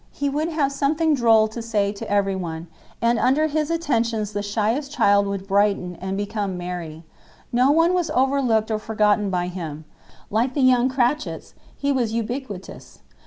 He would have something droll to say to everyone, and under his attentions the shyest child would brighten and become merry. No one was overlooked or forgotten by him; like the young Cratchits, he was "ubiquitous."